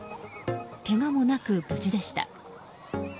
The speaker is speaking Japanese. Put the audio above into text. けがもなく無事でした。